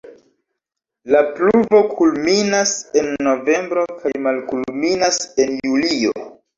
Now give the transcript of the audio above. La pluvo kulminas en novembro kaj malkulminas en julio.